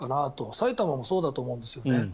埼玉もそうだと思うんですよね。